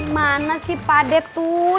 mana sih padep tuh